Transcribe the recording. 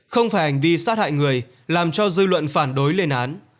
không phải hành vi sát hại người làm cho dư luận phản đối lên án